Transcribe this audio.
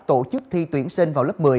tổ chức thi tuyển sinh vào lớp một mươi